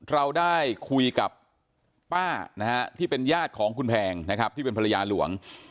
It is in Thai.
เราได้คุยกับป้านะฮะที่เป็นญาติของคุณแพงนะครับที่เป็นภรรยาหลวง